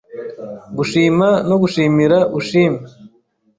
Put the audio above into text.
Gushima no gushimira ushim